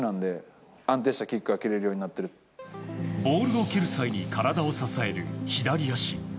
ボールを蹴る際に体を支える左足。